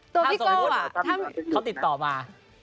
ถ้าสมมติเขาติดต่อมา